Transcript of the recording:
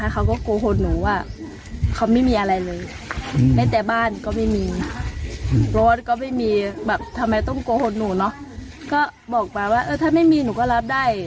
ก็บอกไปว่าเออถ้าไม่มีหนูก็รับได้